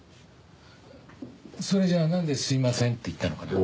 それじゃあなんですいませんって言ったのかな？